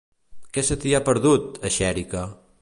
Què se t'hi ha perdut, a Xèrica?